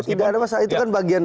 tidak ada masalah itu kan bagian